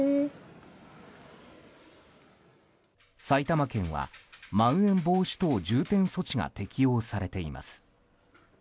埼玉県はまん延防止等重点措置が適用されています。